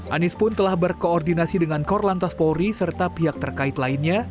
anies pun telah berkoordinasi dengan korlantas polri serta pihak terkait lainnya